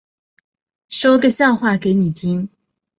说个笑话给你听